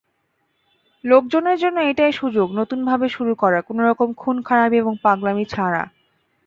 লোকজনের জন্য এটাই সুযোগ নতুন ভাবে শুরু করার কোনোরকম খুনখারাবি এবং পাগলামি ছাড়া।